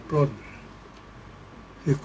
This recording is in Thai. ก็ต้องทำอย่างที่บอกว่าช่องคุณวิชากำลังทำอยู่นั่นนะครับ